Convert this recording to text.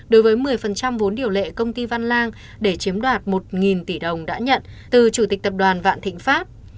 đối với một mươi vốn điều lệ công ty văn lang để chiếm đoạt một tỷ đồng đã nhận từ chủ tịch tập đoàn vạn thịnh pháp